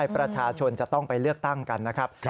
ประชาชนจะต้องไปเลือกตั้งกันนะครับ